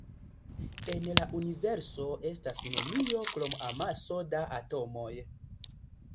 En la universo estas nenio krom amaso da atomoj.